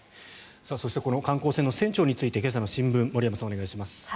そしてこの観光船の船長について、今朝の新聞森山さん、お願いします。